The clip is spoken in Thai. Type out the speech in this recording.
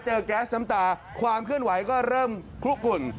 แก๊สน้ำตาความเคลื่อนไหวก็เริ่มคลุกลุ่น